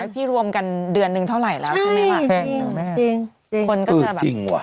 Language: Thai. พี่รวมกันเดือนหนึ่งเท่าไหร่แล้วใช่ไหมวะ